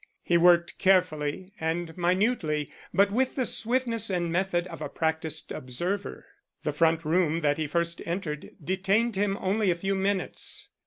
He worked carefully and minutely, but with the swiftness and method of a practised observer. The front room that he first entered detained him only a few minutes.